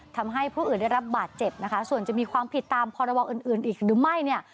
ทำให้ผู้อื่นได้รับบาดเจ็บนะคะส่วนจะมีความผิดตามพรบอื่นอื่นอีกหรือไม่เนี่ย